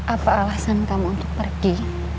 apa alasan kamu untuk pergi